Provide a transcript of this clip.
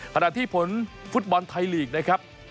ขณะที่ผลฟุตบอลไทยลีกนะครับ